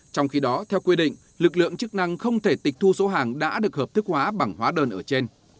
trong khi đó theo quy định lực lượng chức năng không thể tịch thu số hàng đã được hợp thức hóa bằng hóa đơn ở trên